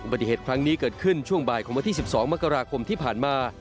ปฏิเหตุครั้งนี้เกิดขึ้นช่วงบ่ายของวันที่๑๒มกราคมที่ผ่านมา